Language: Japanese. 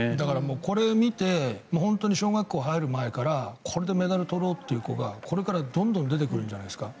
これを見て小学校に入る前からこれでメダルを取ろうという子がこれからどんどん出てくるんじゃないですか。